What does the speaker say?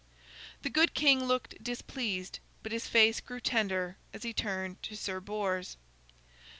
The good king looked displeased, but his face grew tender as he turned to Sir Bors.